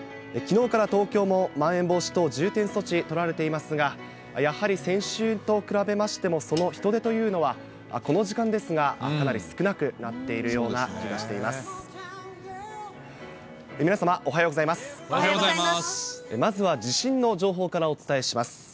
きのうから東京もまん延防止等重点措置取られていますが、やはり先週と比べましても、その人出というのは、この時間ですが、かなり少なくなっているような気がしています。